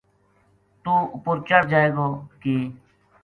توہ اپر چڑھ جائے گو جی ک